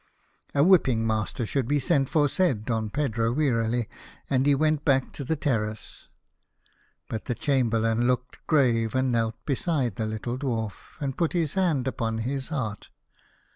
" A whipping master should be sent for," said Don Pedro wearily, and he went back to the terrace. But the Chamberlain looked grave, and he knelt beside the little dwarf, and put his hand upon his heart.